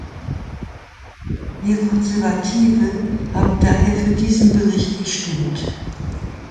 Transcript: Wir Konservative haben daher für diesen Bericht gestimmt.